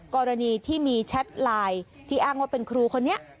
กรณีที่มีแชทไลน์ที่อ้างว่าเป็นครูคนนี้